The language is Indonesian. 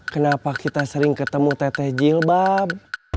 kenapa kita sering ketemu teteh jilbab